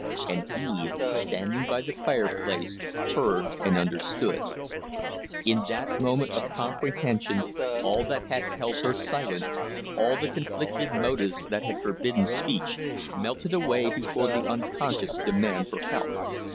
And Eve, standing by the fireplace, heard and understood. In that moment of comprehension all that had held her silent, all the conflicting motives that had forbidden speech, melted away before the unconscious demand for help.